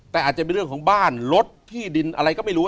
แต่อาจจะเป็นเรื่องของบ้านรถที่ดินอะไรก็ไม่รู้